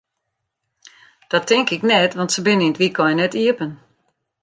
Dat tink ik net, want se binne yn it wykein net iepen.